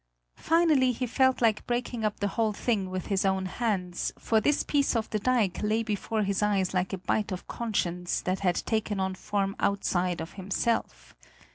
Finally, he felt like breaking up the whole thing with his own hands, for this piece of the dike lay before his eyes like a bite of conscience that had taken on form outside of himself.